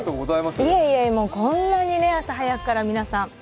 いえいえ、こんなに朝早くから皆さん。